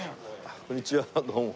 こんにちはどうも。